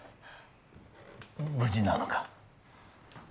無事なのか？